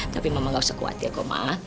tapi mama nggak usah khawatir ma